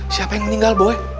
siapa yang meninggal boy